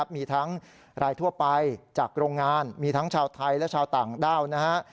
มีทั้งรายทั่วไปจากโรงงานมีทั้งชาวไทยและชาวต่างด้าวนะฮะ